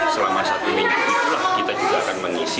selama satu minggu kita juga akan mengisi